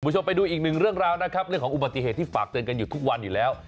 คุณผู้ชมไปดูอีกหนึ่งเรื่องราวนะครับเรื่องของอุบัติเหตุที่ฝากเตือนกันอยู่ทุกวันอยู่แล้ว